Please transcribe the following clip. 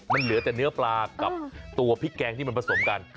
มันเหลือแต่เนื้อปลากับตัวพริกแกงที่มันผสมกัน